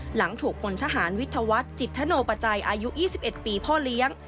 หลังถูกพลทหารวิทยาวัฒน์จิตธโนปัจจัยอายุ๒๑ปีพ่อเลี้ยง